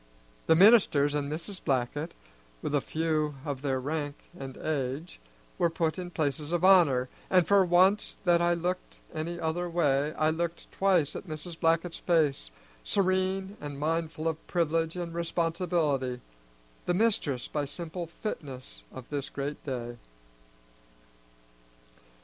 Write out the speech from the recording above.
The ministers and Mrs. Blackett, with a few of their rank and age, were put in places of honor, and for once that I looked any other way I looked twice at Mrs. Blackett's face, serene and mindful of privilege and responsibility, the mistress by simple fitness of this great day.